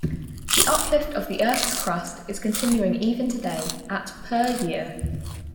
The uplift of the Earth's crust is continuing even today, at per year.